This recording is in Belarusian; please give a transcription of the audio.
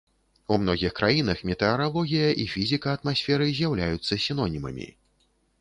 У многіх краінах метэаралогія і фізіка атмасферы з'яўляюцца сінонімамі.